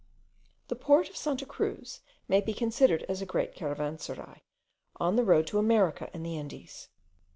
The port of Santa Cruz may be considered as a great caravanserai, on the road to America and the Indies.